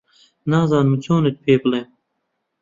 نازانم چۆنت پێ بڵێم